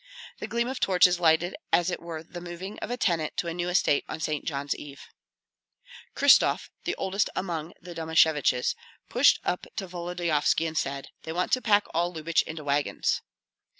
The gleam of torches lighted as it were the moving of a tenant to a new estate on St. John's Eve. Kryshtof, the oldest among the Domasheviches, pushed up to Volodyovski and said, "They want to pack all Lyubich into wagons."